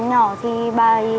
nhỏ thì bà đánh đập